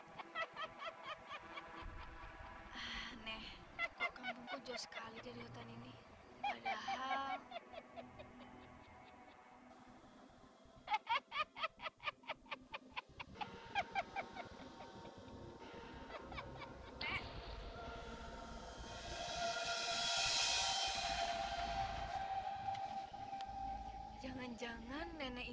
semua konduduk desa sudah mencari kemana mana